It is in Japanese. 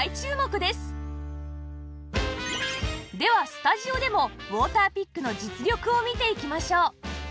ではスタジオでもウォーターピックの実力を見ていきましょう